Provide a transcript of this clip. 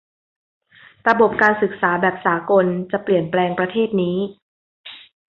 ระบบการศึกษาแบบสากลจะเปลี่ยนแปลงประเทศนี้